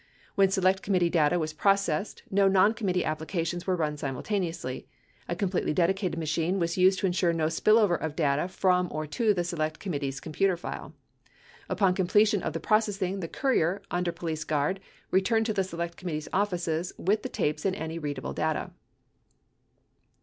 When Select Committee data was processed, no noncommittee applications were run simultaneously; a completely dedicated machine was used to insure no spillover of data from or to the Select Committee's computer file. Upon completion of the processing, the courier, under police guard, returned to the Select Committee offices with the tapes and any readable data.